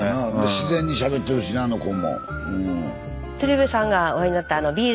自然にしゃべってるしねあの子も。